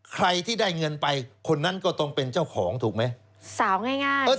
ใครที่ได้เงินไปคนนั้นก็ต้องเป็นเจ้าของถูกไหมสาวง่าย